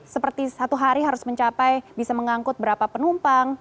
seperti satu hari harus mencapai bisa mengangkut berapa penumpang